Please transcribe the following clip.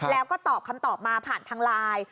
แล้วก็ตอบคำตอบมาผ่านทางไลน์